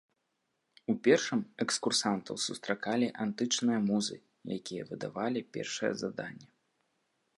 У першым экскурсантаў сустракалі антычныя музы, якія выдавалі першае заданне.